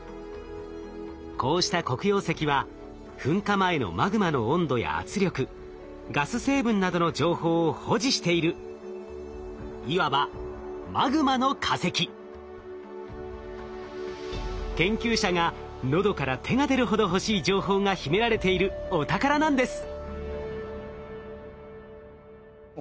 こうした黒曜石は噴火前のマグマの温度や圧力ガス成分などの情報を保持しているいわば研究者が喉から手が出るほど欲しい情報が秘められているお宝なんです。